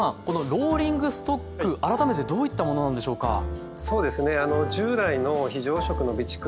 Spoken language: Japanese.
このローリングストック改めてどういったものなんでしょうか？